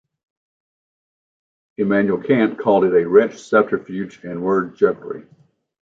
Immanuel Kant called it a "wretched subterfuge" and "word jugglery".